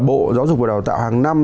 bộ giáo dục và đào tạo hàng năm